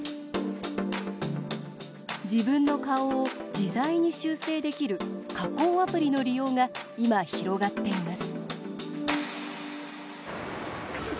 自分の顔を自在に修整できる加工アプリの利用が今、広がっています。